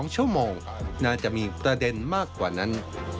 จะมีประเด็นมากกว่านั้น